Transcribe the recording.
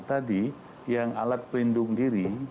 tadi yang alat pelindung diri